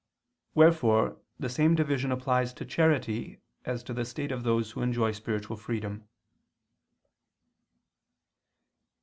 Wherefore the same division applies to charity as to the state of those who enjoy spiritual freedom.